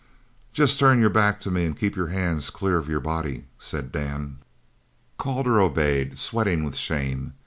"Jest turn your back to me, an' keep your hands clear of your body," said Dan. Calder obeyed, sweating with shame.